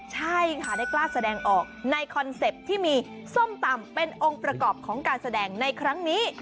ใช่ค่ะได้กล้าแสดงออกในคอนเซ็ปต์ที่มีส้มตำเป็นองค์ประกอบของการแสดงในครั้งนี้